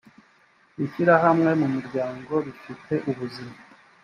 ishyirahamwe umuryango bifite ubuzima